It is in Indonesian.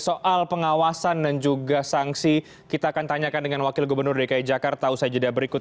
soal pengawasan dan juga sanksi kita akan tanyakan dengan wakil gubernur dki jakarta usai jeda berikut